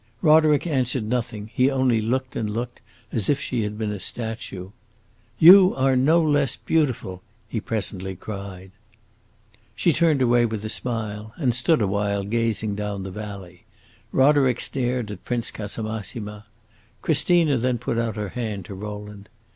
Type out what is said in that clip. Roderick answered nothing; he only looked and looked, as if she had been a statue. "You are no less beautiful!" he presently cried. She turned away with a smile, and stood a while gazing down the valley; Roderick stared at Prince Casamassima. Christina then put out her hand to Rowland.